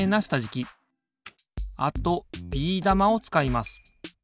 あとビー玉をつかいます。